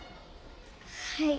はい。